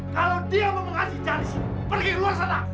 kalau dia mau menghaji jalan di sini pergi luar sana